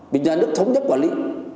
bị nhà nước thống nhất quản lý